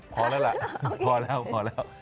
พอแล้วล่ะพอแล้วพอแล้ว